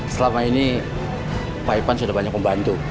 selama ini pak ipan sudah banyak membantu